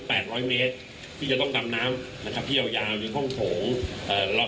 ร้อยเมตรที่จะต้องดำน้ำนะครับที่ยาวยาวในห้องโถงเอ่อเรา